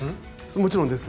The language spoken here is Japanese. もちろんです。